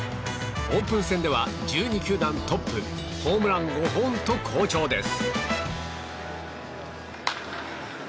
オープン戦では１２球団トップホームラン５本と好調です。